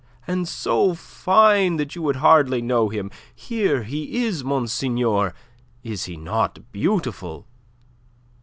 and so fine that you would hardly know him. Here he is, monseigneur! Is he not beautiful?"